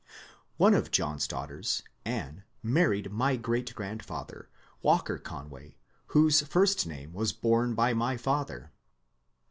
One of John's daughters, Anne, married my great grandfather. Walker Conway, whose first name was borne by my father.